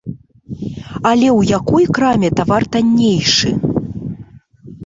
Але ў якой краме тавар таннейшы?